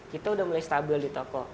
kita udah mulai stabil di toko